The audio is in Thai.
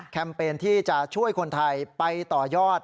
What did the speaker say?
เปญที่จะช่วยคนไทยไปต่อยอด